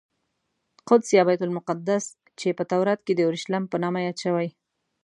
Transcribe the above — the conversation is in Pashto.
قدس یا بیت المقدس چې په تورات کې د اورشلیم په نامه یاد شوی.